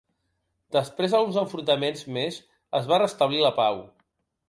Després d'alguns enfrontaments més, es va restablir la pau.